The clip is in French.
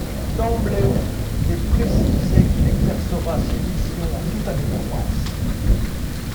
D’emblée, il est précisé qu'il exercera ses missions en toute indépendance.